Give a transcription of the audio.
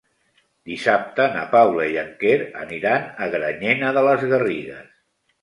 Dissabte na Paula i en Quer aniran a Granyena de les Garrigues.